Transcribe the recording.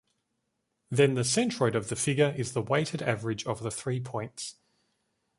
Then the centroid of the figure is the weighted average of the three points.